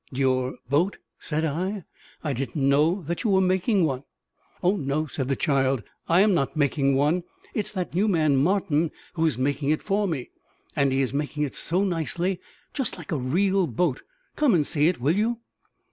"Your boat?" said I. "I didn't know that you are making one." "Oh no," said the child; "I am not making one; it is that new man, Martin, who is making it for me. And he is making it so nicely; just like a real boat. Come and see it, will you?"